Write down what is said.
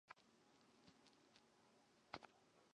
深绿细辛为马兜铃科细辛属下的一个变种。